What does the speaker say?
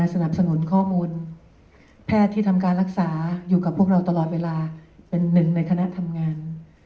สนับสนุนข้อมูลแพทย์ที่ทำการรักษาอยู่กับพวกเราตลอดเวลาเป็นหนึ่งในคณะทำงาน